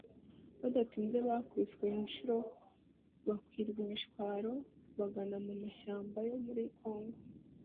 Bidatinze bakubiswe inshuro bakwirwa imishwaro bagana mu mashyamba yo muri Congo